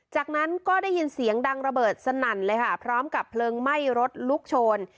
จากนั้นก็ได้ยินเสียงดังระเบิดสนั่นเลยค่ะพร้อมกับเพลิงไหม้รถลุกโชน